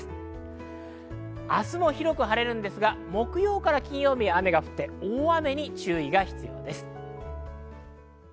明日も広く晴れるんですが、木曜から金曜日は雨が降って大雨に注意が必要です。